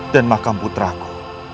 dan makam putraku